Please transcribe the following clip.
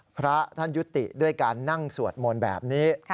พระท่านยุติด้วยการนั่งสวดมนต์แบบนี้